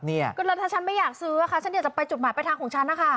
แล้วถ้าฉันไม่อยากซื้อค่ะฉันอยากจะไปจุดหมายไปทางของฉันนะคะ